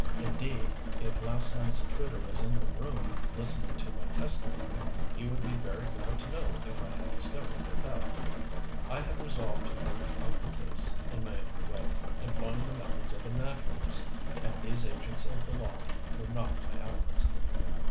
Indeed, if last night's intruder was in the room, listening to my testimony, he would be very glad to know if I had discovered the theft. I had resolved to work out the case in my own way, employing the methods of a naturalist, and these agents of the law were not my allies.